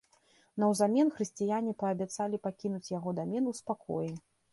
Наўзамен хрысціяне паабяцалі пакінуць яго дамен у спакоі.